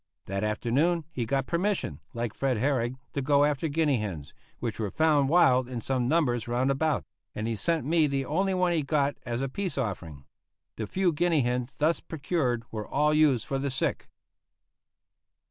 That afternoon he got permission, like Fred Herrig, to go after guinea hens, which were found wild in some numbers round about; and he sent me the only one he got as a peace offering. The few guinea hens thus procured were all used for the sick.